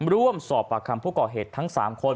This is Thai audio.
ร่วมสอบปากคำผู้ก่อเหตุทั้ง๓คน